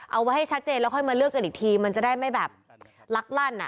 เอาไว้ให้ชัดเจนแล้วค่อยมาเลือกกันอีกทีมันจะได้ไม่แบบลักลั่นอ่ะ